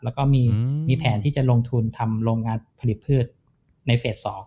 แล้วก็มีแผนที่จะลงทุนทำโรงงานผลิตพืชในเฟส๒